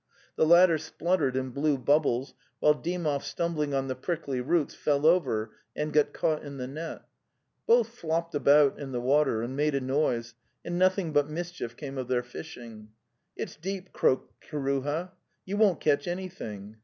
The latter spluttered and blew bubbles, while Dymov stumbling on the prickly roots, fell over and got caught in the net; both flopped about in the water, and made a noise, and nothing but mischief came of their fishing. "Tt's deep," croaked Kiruha. '' You won't catch anything."